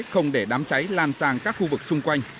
không để đám cháy lan sang các khu vực xung quanh